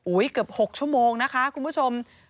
เกือบ๖ชั่วโมงนะคะคุณผู้ชม